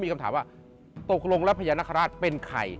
มีคำถามว่าตกลงแล้วพญานาคาราชเป็นใคร